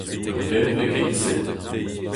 Ur benveg e-giz-se ?